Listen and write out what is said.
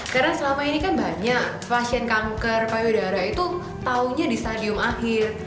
karena selama ini kan banyak pasien kanker payudara itu taunya di stadium akhir